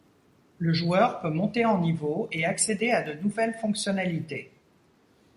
Le joueur peut monter en niveau et accéder à de nouvelles fonctionnalités.